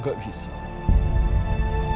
tidak tidak tidak